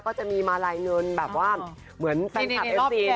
ก็จะมีมาลัยเงินแบบว่าเหมือนแฟนคลับเอฟซี